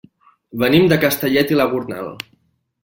Venim de Castellet i la Gornal.